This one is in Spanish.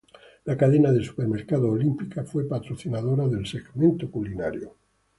La cadena de supermercados Olímpica fue patrocinador del segmento culinario.